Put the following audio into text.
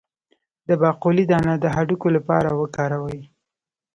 د باقلي دانه د هډوکو لپاره وکاروئ